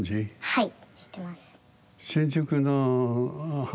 はい。